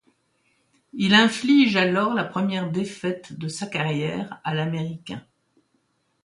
Il inflige alors la première défaite de sa carrière à l'Américain.